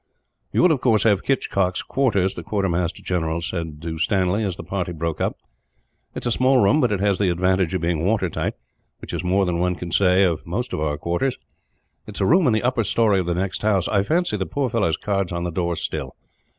"You will, of course, have Hitchcock's quarters," the quartermaster general said to Stanley, as the party broke up. "It is a small room, but it has the advantage of being water tight, which is more than one can say of most of our quarters. It is a room in the upper storey of the next house. I fancy the poor fellow's card is on the door still.